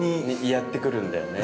やってくるんだよね。